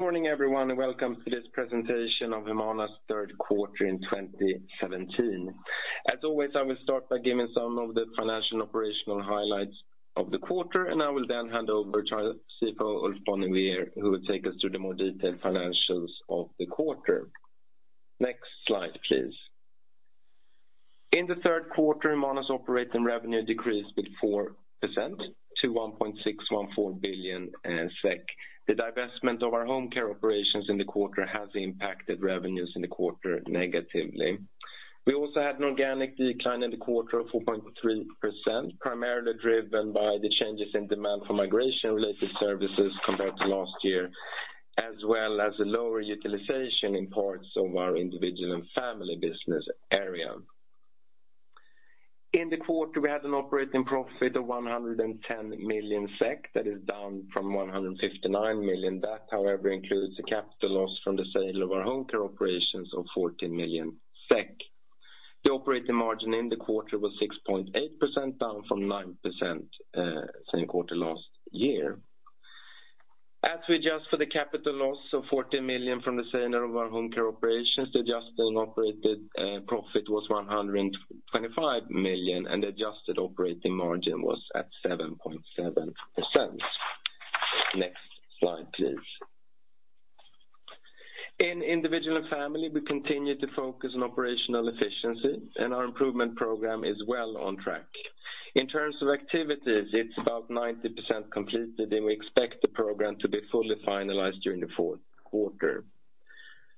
Good morning, everyone, and welcome to this presentation of Humana's third quarter in 2017. As always, I will start by giving some of the financial and operational highlights of the quarter. I will then hand over to our CFO, Ulf Bonnevier, who will take us through the more detailed financials of the quarter. Next slide, please. In the third quarter, Humana's operating revenue decreased with 4% to 1.614 billion SEK. The divestment of our home care operations in the quarter has impacted revenues in the quarter negatively. We also had an organic decline in the quarter of 4.3%, primarily driven by the changes in demand for migration-related services compared to last year, as well as a lower utilization in parts of our Individual & Family business area. In the quarter, we had an operating profit of 110 million SEK, that is down from 159 million. That, however, includes a capital loss from the sale of our home care operations of 14 million SEK. The operating margin in the quarter was 6.8%, down from 9% same quarter last year. As we adjust for the capital loss of 40 million from the sale of our home care operations, the adjusted operating profit was 125 million, and adjusted operating margin was at 7.7%. Next slide, please. In Individual & Family, we continue to focus on operational efficiency. Our improvement program is well on track. In terms of activities, it's about 90% completed. We expect the program to be fully finalized during the fourth quarter.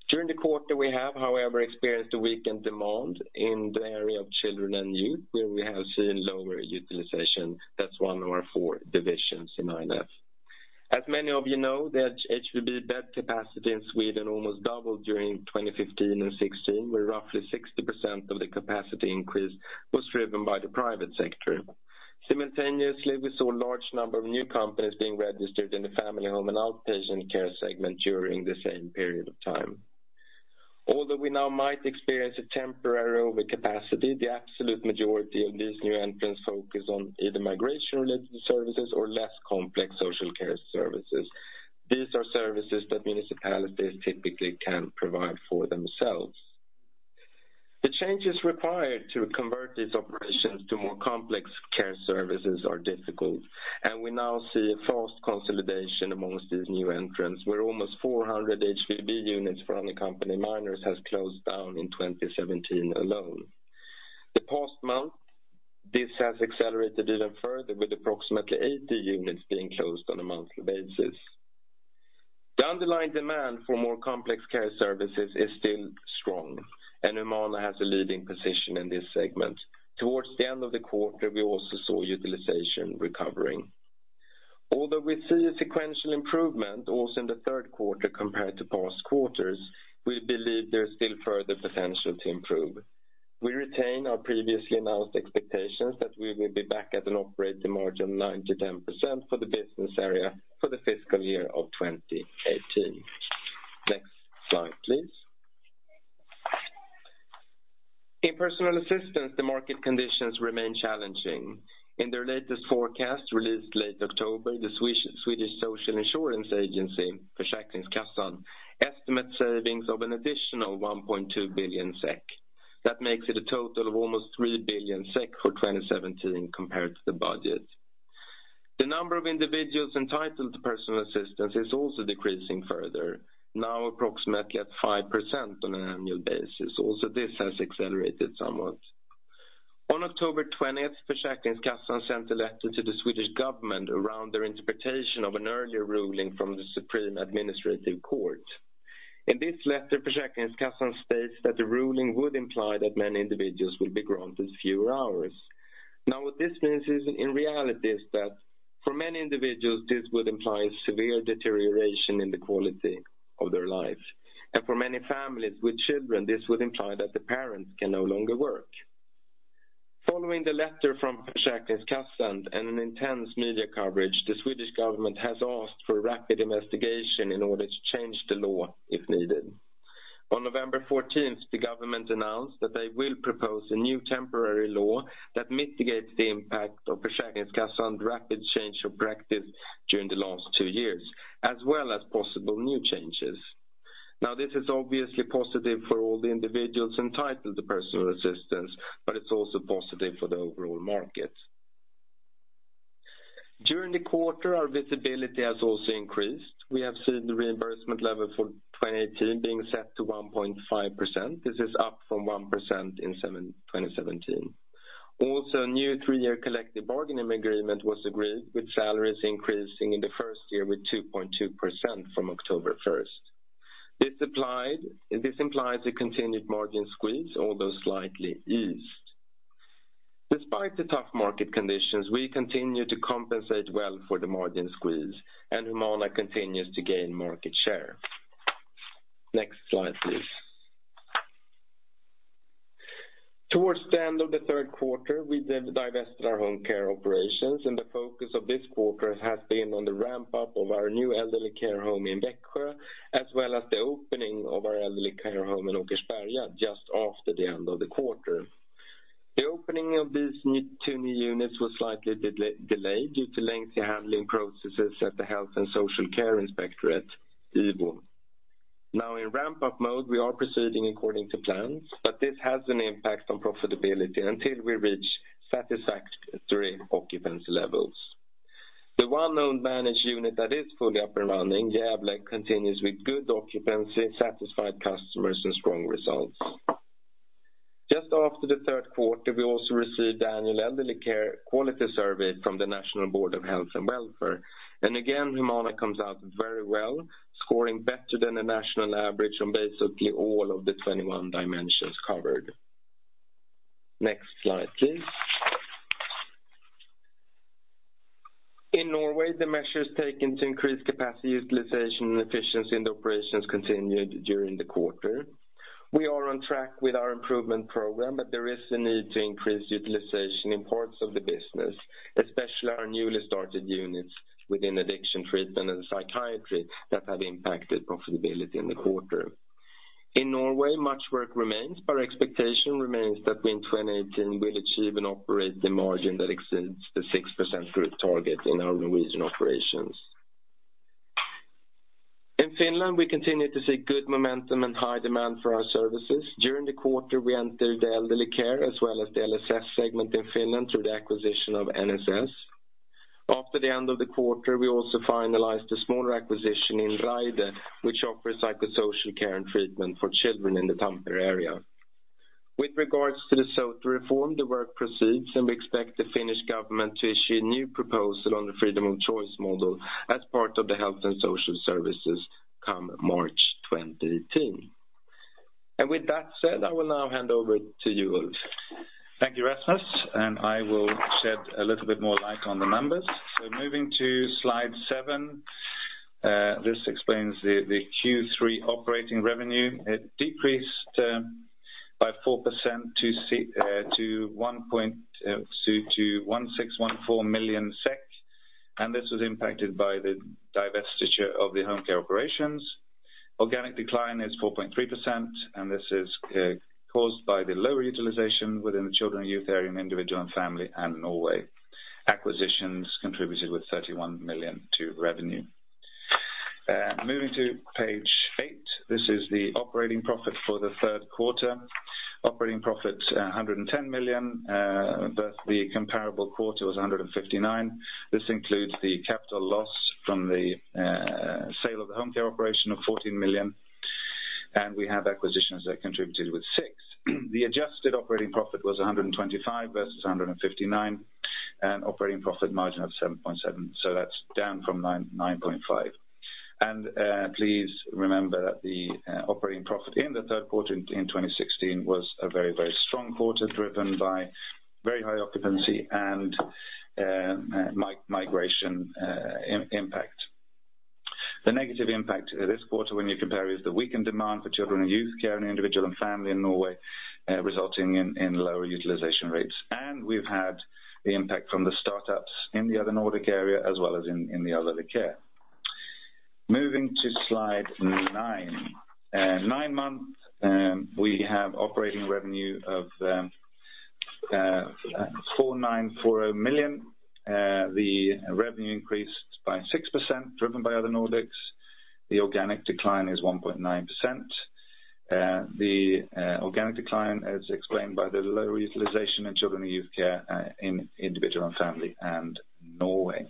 During the quarter, we have, however, experienced a weakened demand in the area of children and youth, where we have seen lower utilization. That's one of our four divisions in I&F. As many of you know, the HVB bed capacity in Sweden almost doubled during 2015 and 2016, where roughly 60% of the capacity increase was driven by the private sector. Simultaneously, we saw a large number of new companies being registered in the family home and outpatient care segment during the same period of time. Although we now might experience a temporary overcapacity, the absolute majority of these new entrants focus on either migration-related services or less complex social care services. These are services that municipalities typically can provide for themselves. The changes required to convert these operations to more complex care services are difficult. We now see a fast consolidation amongst these new entrants, where almost 400 HVB units from the company Minors has closed down in 2017 alone. The past month, this has accelerated even further, with approximately 80 units being closed on a monthly basis. The underlying demand for more complex care services is still strong. Humana has a leading position in this segment. Towards the end of the quarter, we also saw utilization recovering. Although we see a sequential improvement also in the third quarter compared to past quarters, we believe there's still further potential to improve. We retain our previously announced expectations that we will be back at an operating margin 9%-10% for the business area for the fiscal year of 2018. Next slide, please. In personal assistance, the market conditions remain challenging. In their latest forecast, released late October, the Swedish Social Insurance Agency, Försäkringskassan, estimate savings of an additional 1.2 billion SEK. That makes it a total of almost 3 billion SEK for 2017 compared to the budget. The number of individuals entitled to personal assistance is also decreasing further, now approximately at 5% on an annual basis. This has accelerated somewhat. On October 20th, Försäkringskassan sent a letter to the Swedish government around their interpretation of an earlier ruling from the Supreme Administrative Court. In this letter, Försäkringskassan states that the ruling would imply that many individuals will be granted fewer hours. What this means is, in reality, is that for many individuals, this would imply severe deterioration in the quality of their lives. For many families with children, this would imply that the parents can no longer work. Following the letter from Försäkringskassan and an intense media coverage, the Swedish government has asked for a rapid investigation in order to change the law if needed. On November 14th, the government announced that they will propose a new temporary law that mitigates the impact of Försäkringskassan's rapid change of practice during the last two years, as well as possible new changes. This is obviously positive for all the individuals entitled to personal assistance, it's also positive for the overall market. During the quarter, our visibility has also increased. We have seen the reimbursement level for 2018 being set to 1.5%. This is up from 1% in 2017. A new three-year collective bargaining agreement was agreed, with salaries increasing in the first year with 2.2% from October 1st. This implies a continued margin squeeze, although slightly eased. Despite the tough market conditions, we continue to compensate well for the margin squeeze, Humana continues to gain market share. Next slide, please. Towards the end of the third quarter, we divested our home care operations, the focus of this quarter has been on the ramp-up of our new elderly care home in Växjö, as well as the opening of our elderly care home in Åkersberga just after the end of the quarter. The opening of these two new units was slightly delayed due to lengthy handling processes at the Health and Social Care Inspectorate, IVO. In ramp-up mode, we are proceeding according to plans, this has an impact on profitability until we reach satisfactory occupancy levels. The one owned managed unit that is fully up and running, Gävle, continues with good occupancy, satisfied customers, strong results. Just after the third quarter, we also received the annual elderly care quality survey from the National Board of Health and Welfare, again, Humana comes out very well, scoring better than the national average on basically all of the 21 dimensions covered. Next slide, please. In Norway, the measures taken to increase capacity utilization and efficiency in the operations continued during the quarter. We are on track with our improvement program, there is a need to increase utilization in parts of the business, especially our newly started units within addiction treatment and psychiatry that have impacted profitability in the quarter. In Norway, much work remains, our expectation remains that in 2018 we'll achieve an operating margin that exceeds the 6% growth target in our Norwegian operations. In Finland, we continue to see good momentum, high demand for our services. During the quarter, we entered the elderly care as well as the LSS segment in Finland through the acquisition of NSS. After the end of the quarter, we also finalized a smaller acquisition in Raide, which offers psychosocial care and treatment for children in the Tampere area. With regards to the Sote reform, the work proceeds, we expect the Finnish government to issue a new proposal on the freedom of choice model as part of the health and social services come March 2018. With that said, I will now hand over to you, Ulf. Thank you, Rasmus, I will shed a little bit more light on the numbers. Moving to slide seven, this explains the Q3 operating revenue. It decreased by 4% to 1,614 million SEK, this was impacted by the divestiture of the home care operations. Organic decline is 4.3%, this is caused by the lower utilization within the children and youth area and Individual & Family and Norway. Acquisitions contributed with 31 million to revenue. Moving to page eight, this is the operating profit for the third quarter. Operating profit 110 million, the comparable quarter was 159 million. This includes the capital loss from the sale of the home care operation of 14 million, we have acquisitions that contributed with 6 million. The adjusted operating profit was 125 million versus 159 million, operating profit margin of 7.7%, that's down from 9.5%. Please remember that the operating profit in the third quarter in 2016 was a very strong quarter, driven by very high occupancy and migration impact. The negative impact this quarter when you compare is the weakened demand for children and youth care and Individual & Family in Norway, resulting in lower utilization rates. We've had the impact from the startups in the Other Nordics as well as in the elderly care. Moving to slide nine. Nine months, we have operating revenue of 4,940 million. The revenue increased by 6%, driven by Other Nordics. The organic decline is 1.9%. The organic decline is explained by the low utilization in children and youth care in Individual & Family and Norway.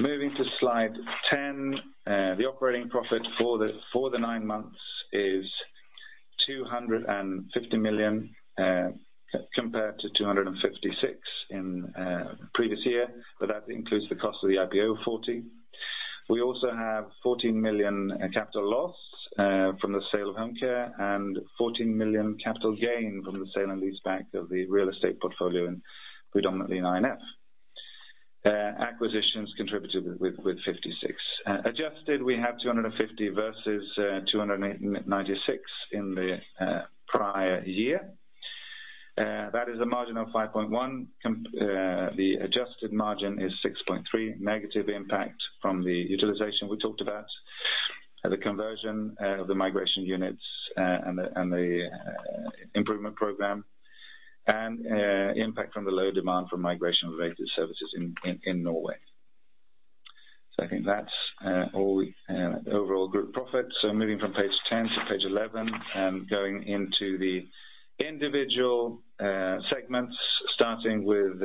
Moving to slide 10, the operating profit for the nine months is 250 million, compared to 256 million in previous year, that includes the cost of the IPO 40 million. We also have 14 million capital loss from the sale of home care and 14 million capital gain from the sale and lease back of the real estate portfolio in predominantly I&F. Acquisitions contributed with 56 million. Adjusted, we have 250 million versus 296 million in the prior year. That is a margin of 5.1%. The adjusted margin is 6.3%, negative impact from the utilization we talked about, the conversion of the migration units, and the improvement program, and impact from the low demand for migration-related services in Norway. I think that's all the overall group profit. Moving from page 10 to page 11 and going into the individual segments, starting with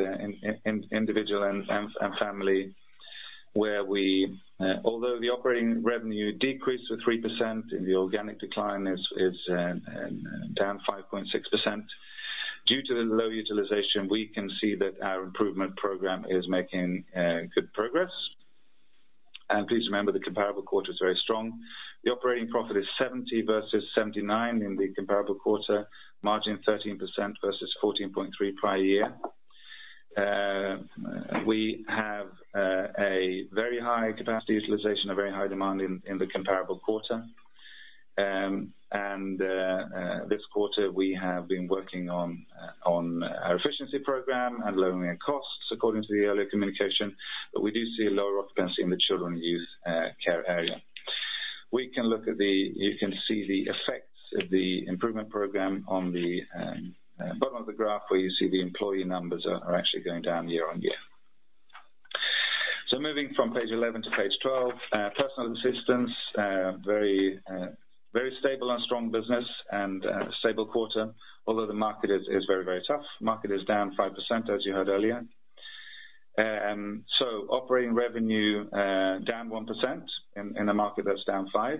Individual & Family, where although the operating revenue decreased to 3% the organic decline is down 5.6% due to the low utilization, we can see that our improvement program is making good progress. Please remember, the comparable quarter is very strong. The operating profit is 70 versus 79 in the comparable quarter, margin 13% versus 14.3% prior year. We have a very high capacity utilization, a very high demand in the comparable quarter. This quarter we have been working on our efficiency program and lowering our costs according to the earlier communication, but we do see a lower occupancy in the children youth care area. You can see the effects of the improvement program on the bottom of the graph, where you see the employee numbers are actually going down year-over-year. Moving from page 11 to page 12. Personal assistance, very stable and strong business, and a stable quarter, although the market is very tough. Market is down 5%, as you heard earlier. Operating revenue down 1% in a market that's down 5%.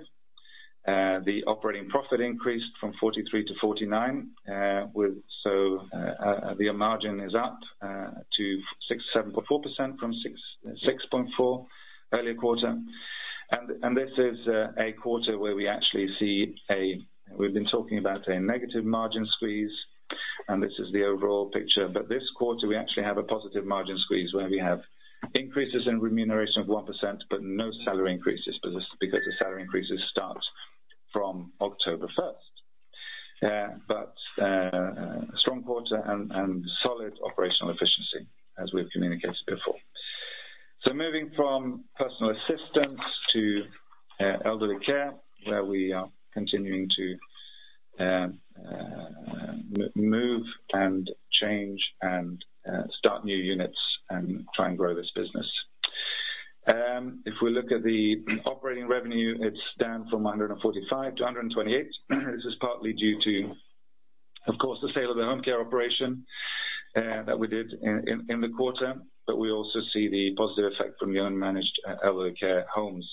The operating profit increased from 43 to 49. The margin is up to 6.4% from 6.4% earlier quarter. This is a quarter where we actually see a negative margin squeeze, and this is the overall picture. This quarter, we actually have a positive margin squeeze where we have increases in remuneration of 1%, but no salary increases, because the salary increases start from October 1st. A strong quarter and solid operational efficiency as we've communicated before. Moving from personal assistance to elderly care, where we are continuing to move and change and start new units and try and grow this business. If we look at the operating revenue, it's down from 145 to 128. This is partly due to, of course, the sale of the home care operation that we did in the quarter, but we also see the positive effect from the unmanaged elderly care homes,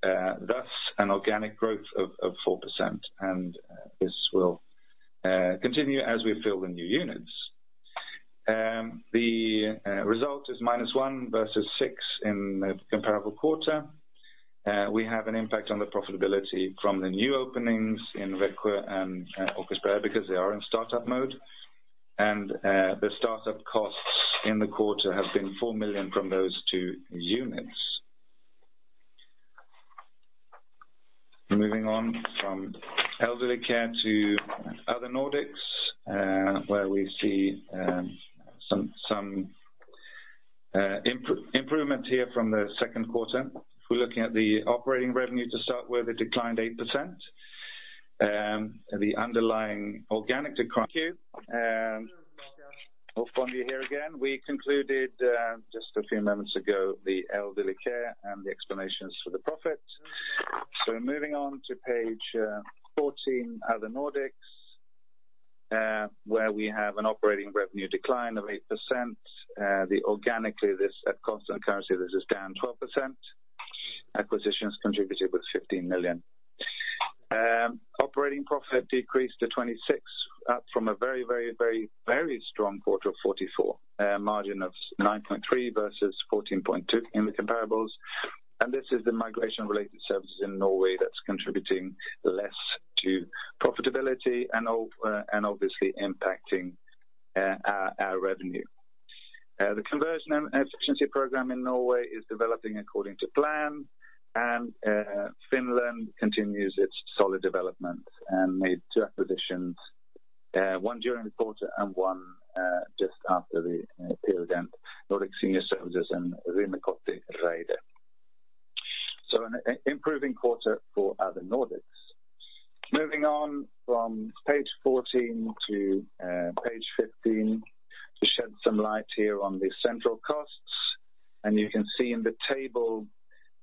thus an organic growth of 4%. This will continue as we fill the new units. The result is minus 1 versus 6 in the comparable quarter. We have an impact on the profitability from the new openings in Växjö and Åkersberga because they are in startup mode. The startup costs in the quarter have been 4 million from those two units. Moving on from elderly care to Other Nordics, where we see some improvement here from the second quarter. Looking at the operating revenue to start with, it declined 8%. The underlying organic decline. Ulf Bonnevier here again. We concluded just a few moments ago, the elderly care and the explanations for the profit. Moving on to page 14, Other Nordics, where we have an operating revenue decline of 8%. Organically, at constant currency, this is down 12%. Acquisitions contributed with 15 million. Operating profit decreased to 26, up from a very strong quarter of 44. Margin of 9.3% versus 14.2% in the comparables. This is the migration-related services in Norway that's contributing less to profitability and obviously impacting our revenue. The conversion and efficiency program in Norway is developing according to plan, and Finland continues its solid development and made two acquisitions, one during the quarter and one just after the period end, Nordic Senior Services and Rymäkoti Raide. An improving quarter for Other Nordics. Moving on from page 14 to page 15 to shed some light here on the central costs. You can see in the table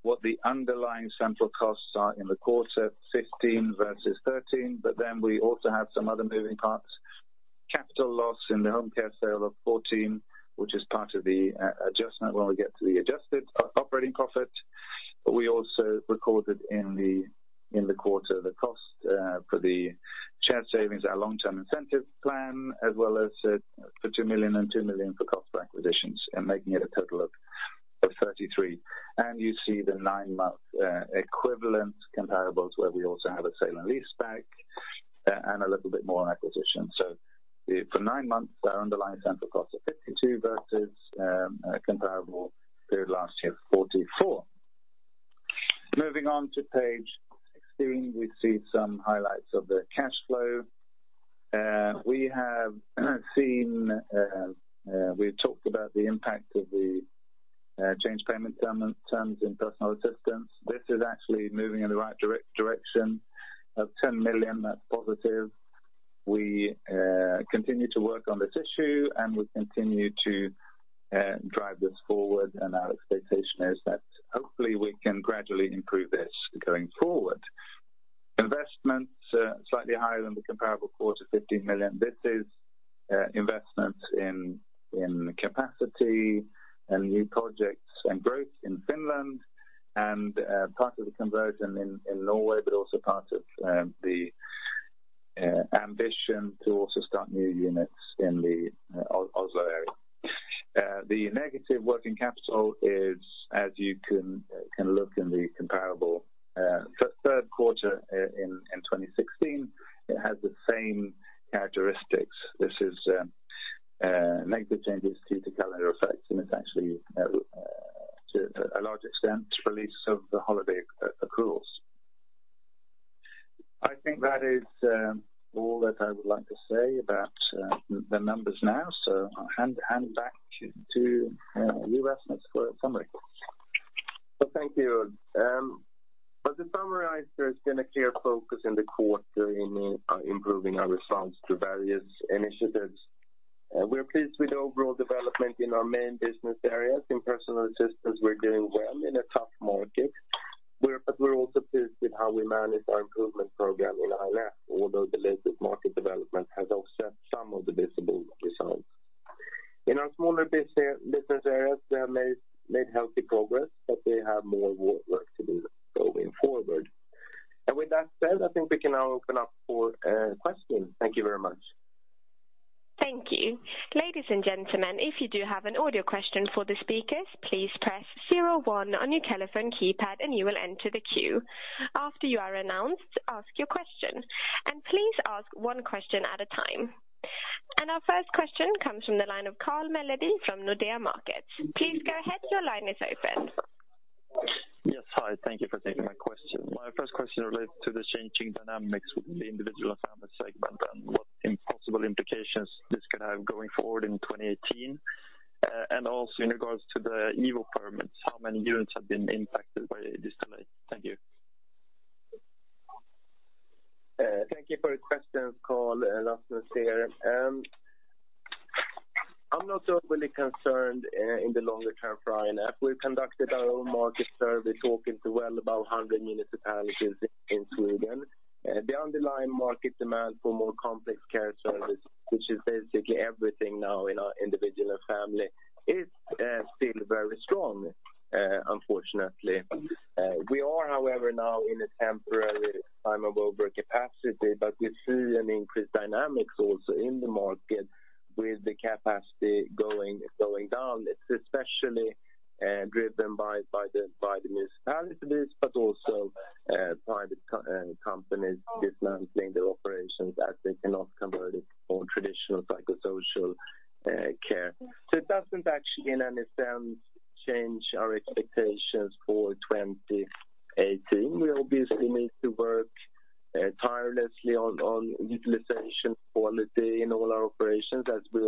what the underlying central costs are in the quarter, 15 versus 13. We also have some other moving parts. Capital loss in the home care sale of 14, which is part of the adjustment when we get to the adjusted operating profit. We also recorded in the quarter the cost for the shared savings, our long-term incentive plan, as well as for 2 million and 2 million for cost of acquisitions, making it a total of 33. You see the nine-month equivalent comparables where we also have a sale and leaseback and a little bit more on acquisition. For nine months, our underlying central cost of 52 versus a comparable period last year of 44. Moving on to page 16, we see some highlights of the cash flow. We have talked about the impact of the change payment terms in personal assistance. This is actually moving in the right direction of 10 million. That is positive. We continue to work on this issue, and we continue to drive this forward, and our expectation is that hopefully we can gradually improve this going forward. Investments are slightly higher than the comparable quarter, 15 million. This is investment in capacity and new projects and growth in Finland and part of the conversion in Norway, but also part of the ambition to also start new units in the Oslo area. The negative working capital is, as you can look in the comparable third quarter in 2016, it has the same characteristics. This is negative changes to the calendar effects, and it is actually to a large extent, release of the holiday accruals. I think that is all that I would like to say about the numbers now. I will hand back to you, Rasmus, for a summary. Thank you. To summarize, there has been a clear focus in the quarter in improving our response to various initiatives. We are pleased with the overall development in our main business areas. In personal assistance, we are doing well in a tough market. We are also pleased with how we manage our improvement program in I&F although the latest market development has offset some of the visible results. In our smaller business areas, they have made healthy progress, but they have more work to do going forward. With that said, I think we can now open up for questions. Thank you very much. Thank you. Ladies and gentlemen, if you do have an audio question for the speakers, please press 01 on your telephone keypad and you will enter the queue. After you are announced, ask your question. Please ask one question at a time. Our first question comes from the line of Carl Mellbin from Nordea Markets. Please go ahead. Your line is open. Yes. Hi. Thank you for taking my question. My first question relates to the changing dynamics with the Individual & Family segment and what possible implications this could have going forward in 2018. Also in regards to the IVO permits, how many units have been impacted by this delay? Thank you. Thank you for the question, Carl. Rasmus here. I am not overly concerned in the longer-term I&F. We have conducted our own market survey, talking to well above 100 municipalities in Sweden. The underlying market demand for more complex care services, which is basically everything now in our Individual & Family, is still very strong, unfortunately. We are, however, now in a temporary time of overcapacity, but we see an increased dynamics also in the market with the capacity going down. It is especially driven by the municipalities, but also private companies dismantling their operations as they cannot convert it for traditional psychosocial care. It does not actually, in any sense, change our expectations for 2018. We obviously need to work tirelessly on utilization quality in all our operations as we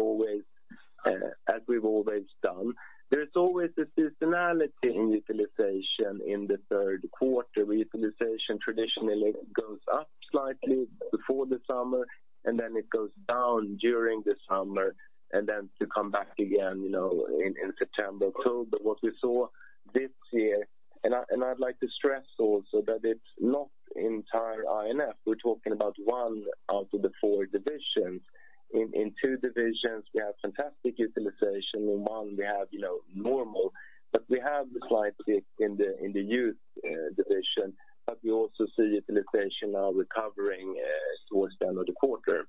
have always done. There is always a seasonality in utilization in the third quarter, where utilization traditionally goes up slightly before the summer, then it goes down during the summer, then to come back again in September, October. What we saw this year, I would like to stress also that it is not entire I&F. We are talking about one out of the four divisions. In two divisions, we have fantastic utilization. In one, we have normal, but we have the slight dip in the youth division. We also see utilization now recovering towards the end of the quarter.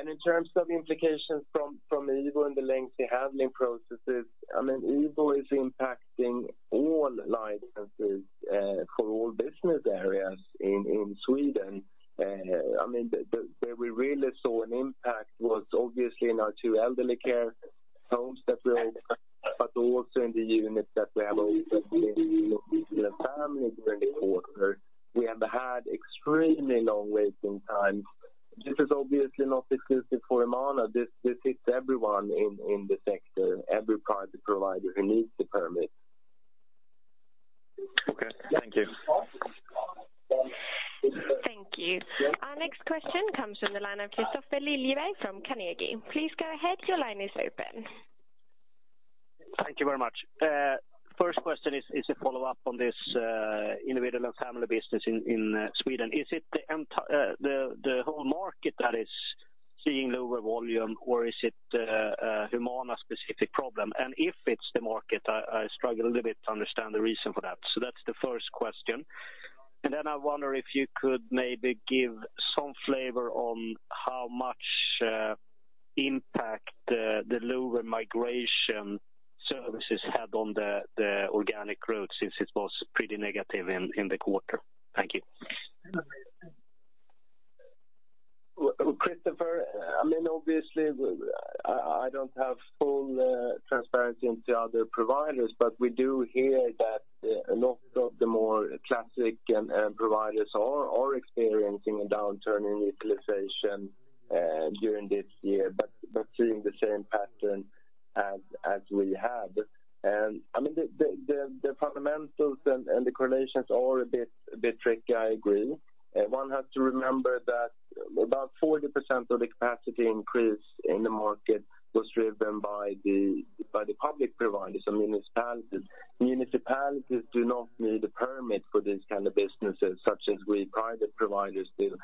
In terms of implications from IVO and the lengthy handling processes, IVO is impacting all licenses for all business areas in Sweden. Where we really saw an impact was obviously in our two elderly care homes that we own, also in the unit that we have open in individual and family during the quarter. We have had extremely long waiting times. This is obviously not exclusive for Humana. This hits everyone in the sector, every private provider who needs the permit. Okay. Thank you. Thank you. Our next question comes from the line of Christopher Liljeblad from Carnegie. Please go ahead. Your line is open. Thank you very much. First question is a follow-up on this individual and family business in Sweden. Is it the whole market that is seeing lower volume, or is it a Humana-specific problem? If it's the market, I struggle a little bit to understand the reason for that. That's the first question. Then I wonder if you could maybe give some flavor on how much impact the lower migration services had on the organic growth since it was pretty negative in the quarter. Thank you. Christopher, obviously, I don't have full transparency into other providers, but we do hear that a lot of the more classic providers are experiencing a downturn in utilization during this year, but seeing the same pattern as we have. The fundamentals and the correlations are a bit tricky, I agree. One has to remember that about 40% of the capacity increase in the market was driven by the public providers or municipalities. Municipalities do not need a permit for these kinds of businesses, such as we private providers do.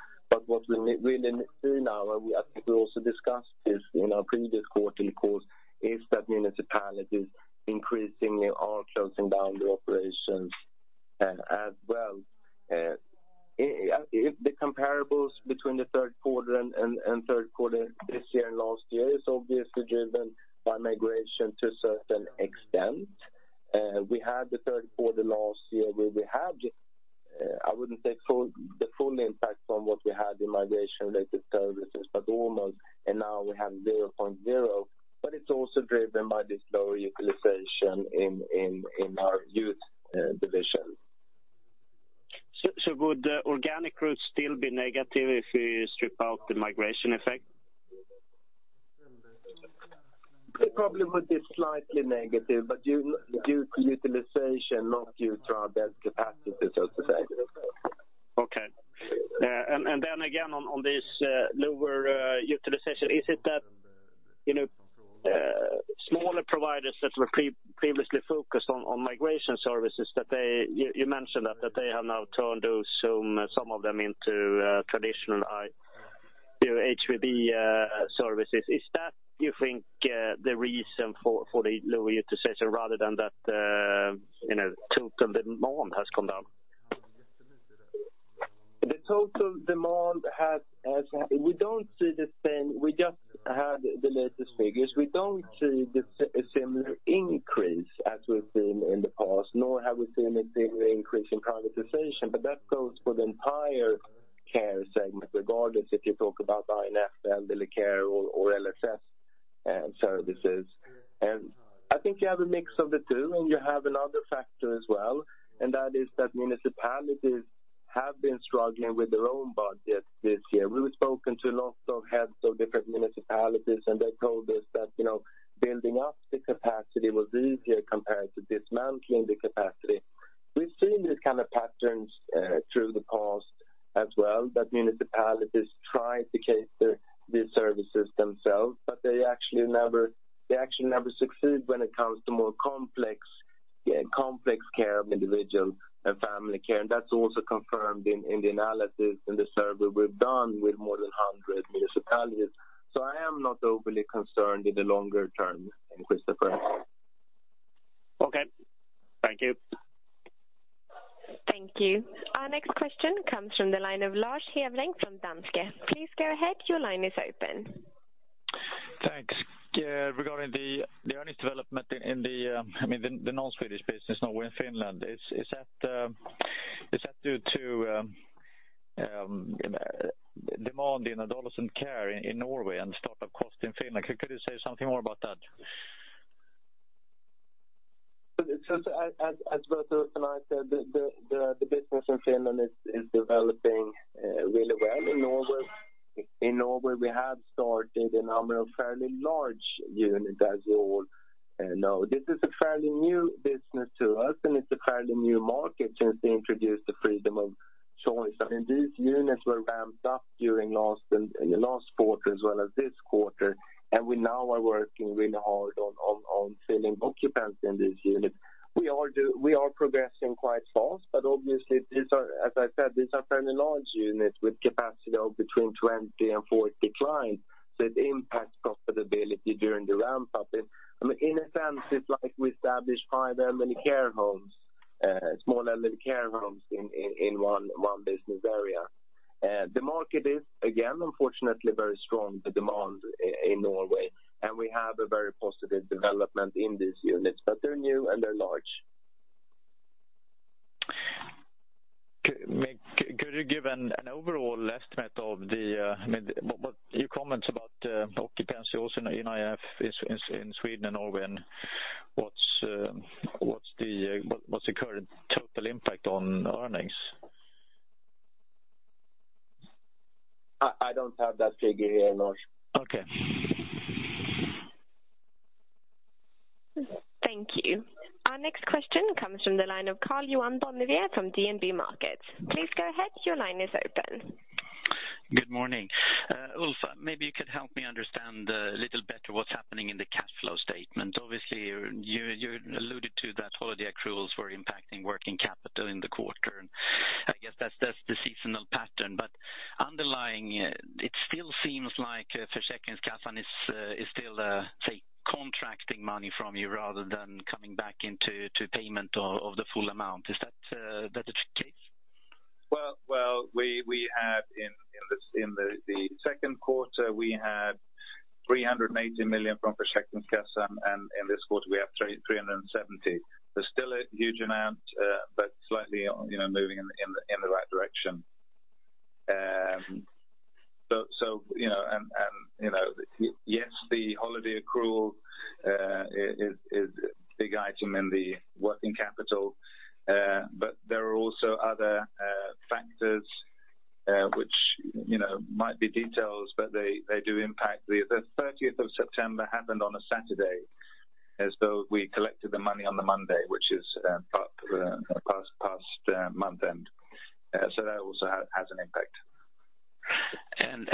What we are seeing now, and I think we also discussed this in our previous quarterly calls, is that municipalities increasingly are closing down their operations as well. The comparables between the third quarter this year and last year is obviously driven by migration to a certain extent. We had the third quarter last year where we had, I wouldn't say the full impact from what we had in migration-related services, but almost, and now we have 0.0. It's also driven by this lower utilization in our youth division. Would the organic growth still be negative if you strip out the migration effect? It probably would be slightly negative, due to utilization, not due to our bed capacity, so to say. Okay. Then again on this lower utilization, is it that smaller providers that were previously focused on migration services, you mentioned that they have now turned some of them into traditional HVB services. Is that, you think, the reason for the lower utilization rather than that total demand has come down? We just had the latest figures. We don't see the similar increase as we've seen in the past, nor have we seen a similar increase in privatization, but that goes for the entire care segment, regardless if you talk about I&F, elderly care or LSS services. I think you have a mix of the two, and you have another factor as well, and that is that municipalities have been struggling with their own budget this year. We've spoken to lots of heads of different municipalities, and they told us that building up the capacity was easier compared to dismantling the capacity. We've seen these kind of patterns through the past as well, that municipalities try to cater these services themselves, but they actually never succeed when it comes to more complex care of individual and family care. That's also confirmed in the analysis, in the survey we've done with more than 100 municipalities. I am not overly concerned in the longer term, Christopher. Okay. Thank you. Thank you. Our next question comes from the line of Lars Heveling from Danske Bank. Please go ahead. Your line is open. Thanks. Regarding the earnings development in the non-Swedish business now in Finland, is that due to demand in adolescent care in Norway and startup cost in Finland? Could you say something more about that? As both Ulf and I said, the business in Finland is developing really well. In Norway, we have started a number of fairly large units, as you all know. This is a fairly new business to us, and it's a fairly new market since they introduced the freedom of choice. These units were ramped up during the last quarter as well as this quarter, and we now are working really hard on filling occupants in these units. We are progressing quite fast, but obviously, as I said, these are fairly large units with capacity of between 20 and 40 clients, so it impacts profitability during the ramp-up. In a sense, it's like we established five small elderly care homes in one business area. The market is again, unfortunately, very strong, the demand in Norway, and we have a very positive development in these units, but they're new and they're large. Could you give an overall estimate of your comments about occupancy also in I&F in Sweden and Norway, and what's the current total impact on earnings? I don't have that figure here, Lars. Okay. Thank you. Our next question comes from the line of Karl-Johan Bonnevier from DNB Markets. Please go ahead. Your line is open. Good morning. Ulf, maybe you could help me understand a little better what's happening in the cash flow statement. Obviously, you alluded to that holiday accruals were impacting working capital in the quarter, and I guess that's the seasonal pattern. Underlying, it still seems like Försäkringskassan is still, say, contracting money from you rather than coming back into payment of the full amount. Is that the case? In the second quarter, we had 380 million from Försäkringskassan, and in this quarter we have 370 million. There is still a huge amount but slightly moving in the right direction. The holiday accrual is a big item in the working capital. There are also other factors which might be details, but they do impact. The 30th of September happened on a Saturday, as though we collected the money on the Monday, which is past month end. That also has an impact.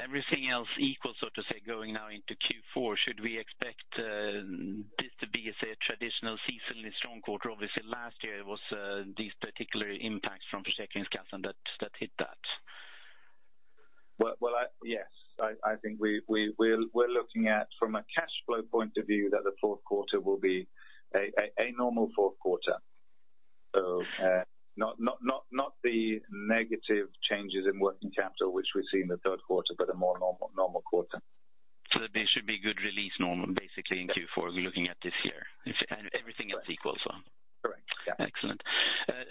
Everything else equal, so to say, going now into Q4, should we expect this to be, say, a traditional seasonally strong quarter? Last year it was these particular impacts from Försäkringskassan that hit that. Yes. I think we're looking at, from a cash flow point of view, that the fourth quarter will be a normal fourth quarter. Not the negative changes in working capital, which we see in the third quarter, but a more normal quarter. There should be good release normal basically in Q4 looking at this year. Everything else equals well. Correct. Yeah. Excellent.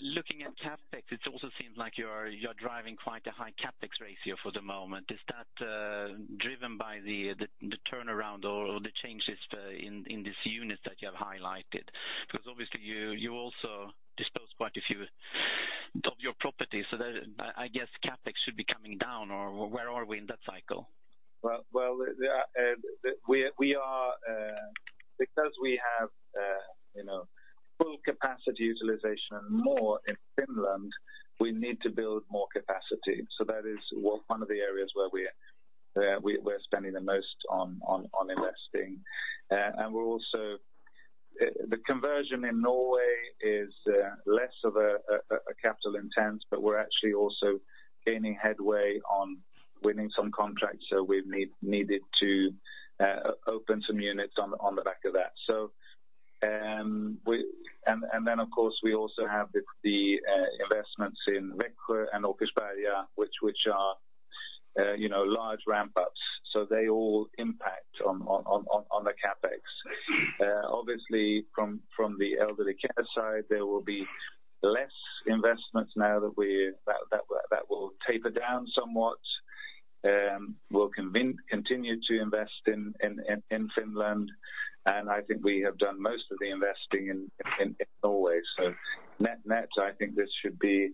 Looking at CapEx, it also seems like you're driving quite a high CapEx ratio for the moment. Is that driven by the turnaround or the changes in these units that you have highlighted? Because obviously you also disposed quite a few of your property. I guess CapEx should be coming down, or where are we in that cycle? Because we have full capacity utilization and more in Finland, we need to build more capacity. That is one of the areas where we're spending the most on investing. The conversion in Norway is less of a capital-intensive, we're actually also gaining headway on winning some contracts. We've needed to open some units on the back of that. Of course, we also have the investments in Växjö and Åkersberga which are large ramp-ups. They all impact on the CapEx. From the elderly care side, there will be less investments now that will taper down somewhat. We'll continue to invest in Finland, and I think we have done most of the investing in Norway. Net-net, I think this should be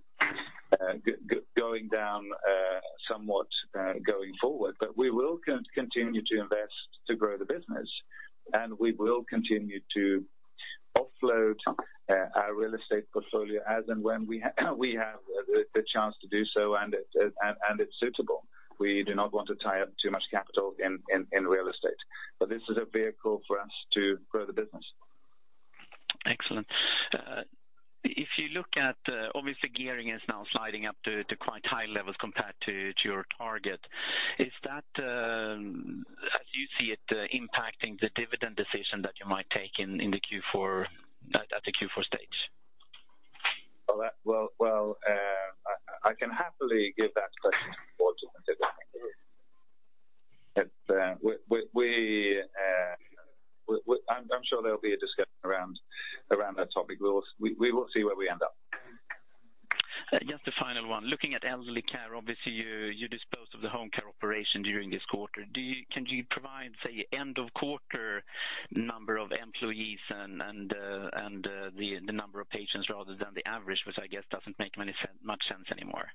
going down somewhat, going forward. We will continue to invest to grow the business, and we will continue to offload our real estate portfolio as and when we have the chance to do so and it's suitable. We do not want to tie up too much capital in real estate. This is a vehicle for us to grow the business. Excellent. If you look at, obviously gearing is now sliding up to quite high levels compared to your target. Is that, as you see it, impacting the dividend decision that you might take at the Q4 stage? Well, I can happily give that question to the board. I'm sure there'll be a discussion around that topic. We will see where we end up. Just a final one. Looking at elderly care, obviously you disposed of the home care operation during this quarter. Can you provide, say, end of quarter number of employees and the number of patients rather than the average, which I guess doesn't make much sense anymore?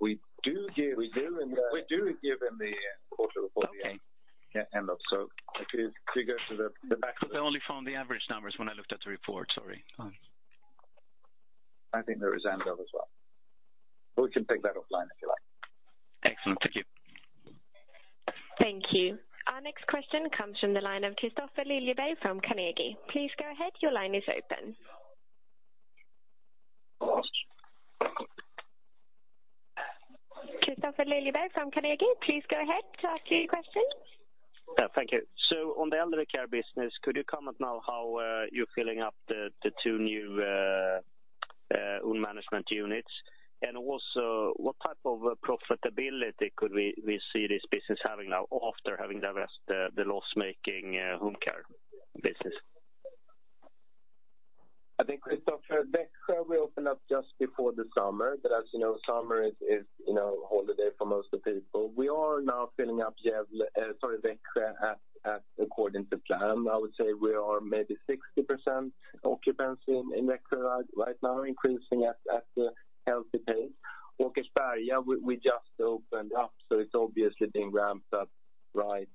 We do give in the quarter report. Okay. Yeah, end of. If you go to the back- I only found the average numbers when I looked at the report, sorry. I think there is end of as well. We can take that offline if you like. Excellent. Thank you. Thank you. Our next question comes from the line of Christopher Liljeblad from Carnegie. Please go ahead. Your line is open. Christopher Liljeblad from Carnegie, please go ahead to ask your question. Yeah, thank you. On the elderly care business, could you comment now how you're filling up the two new own management units? Also, what type of profitability could we see this business having now after having divested the loss-making home care business? I think, Christopher, Växjö we opened up just before the summer. As you know, summer is holiday for most people. We are now filling up Växjö according to plan. I would say we are maybe 60% occupancy in Växjö right now, increasing at a healthy pace. Åkersberga we just opened up, it's obviously being ramped up right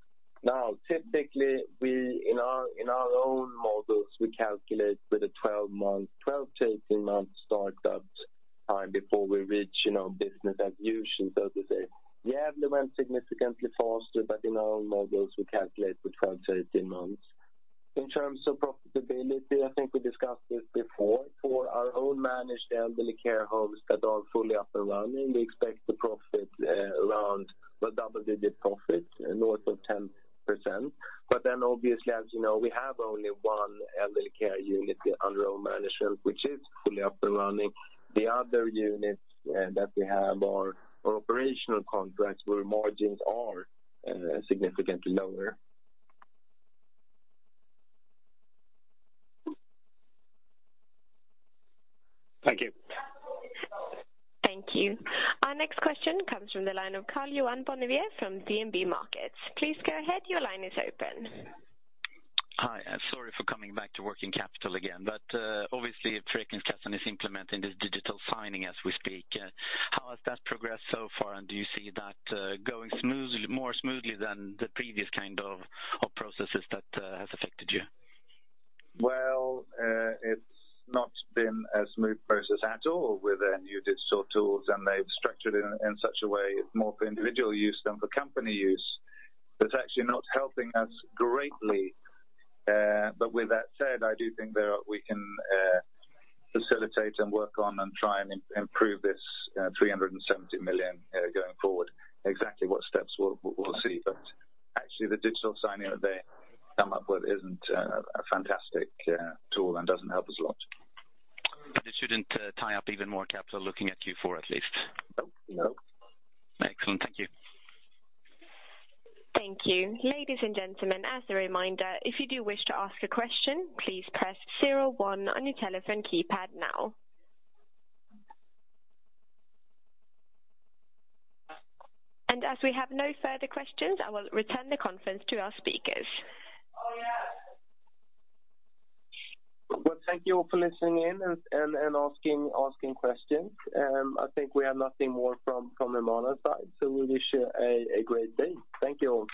now. Typically, in our own models, we calculate with a 12-18 month start-up time before we reach business as usual, so to say. Gävle went significantly faster, in our own models, we calculate with 12-18 months. In terms of profitability, I think we discussed this before. For our own managed elderly care homes that are fully up and running, we expect a double-digit profit north of 10%. Obviously, as you know, we have only one elderly care unit under our management, which is fully up and running. The other units that we have are operational contracts where margins are significantly lower. Thank you. Thank you. Our next question comes from the line of Karl-Johan Bonnevier from DNB Markets. Please go ahead. Your line is open. Hi, sorry for coming back to working capital again, obviously Trygg & Trygg is implementing this digital signing as we speak. How has that progressed so far, and do you see that going more smoothly than the previous kind of processes that has affected you? Well, it's not been a smooth process at all with their new digital tools, they've structured it in such a way more for individual use than for company use. That's actually not helping us greatly. With that said, I do think that we can facilitate and work on and try and improve this 370 million going forward. Exactly what steps, we'll see. Actually the digital signing that they come up with isn't a fantastic tool and doesn't help us a lot. It shouldn't tie up even more capital looking at Q4, at least? No. Excellent. Thank you. Thank you. Ladies and gentlemen, as a reminder, if you do wish to ask a question, please press 01 on your telephone keypad now. As we have no further questions, I will return the conference to our speakers. Well, thank you all for listening in and asking questions. I think we have nothing more from the Humana side, so we wish you a great day. Thank you all.